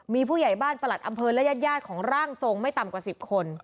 มีผู้ใหญ่บ้านประหลัดอำเภอและญาติของร่างทรงไม่ต่ำกว่า๑๐คน